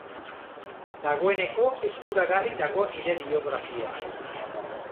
Dagoeneko eskuragarri dago nire biografia.